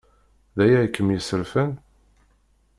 D aya i kem-yesserfan?